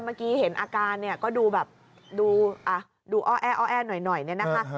เมื่อกี้เห็นอาการเนี่ยก็ดูแบบดูอ้อแอหน่อยเนี่ยนะคะ